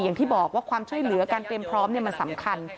อย่างที่บอกว่าความช่วยเหลือการเตรียมพร้อมมันสำคัญ